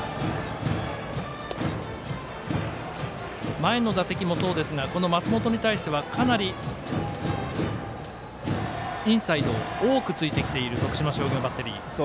前の打席もそうですがこの松本に対してはかなりインサイドを多くついてきている徳島商業バッテリー。